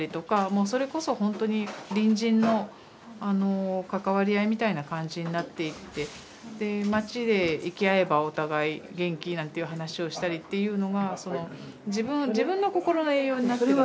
もうそれこそほんとに隣人の関わり合いみたいな感じになっていってで街で行き会えばお互い「元気？」なんていう話をしたりっていうのが自分のこころの栄養になってた。